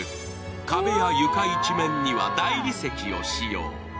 壁や床一面には大理石を使用。